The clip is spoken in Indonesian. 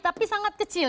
tapi sangat kecil